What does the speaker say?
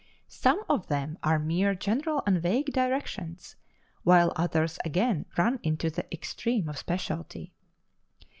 Some of them are mere general and vague directions, while others again run into the extreme of specialty.